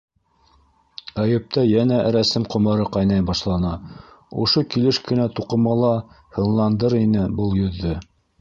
Әйүптә йәнә рәссам ҡомары ҡайнай башланы: ошо килеш кенә туҡымала һынландыр ине был йөҙҙө!